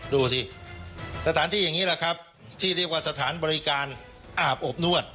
ดูสิสถานที่อย่างนี้แหละครับที่เรียกว่าสถานบริการอาบอบนวด